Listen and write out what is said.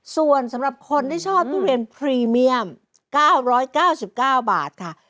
ส่วนสำหรับคนที่ชอบทุเรียนพรีเมียม๙๙๙บาทค่ะ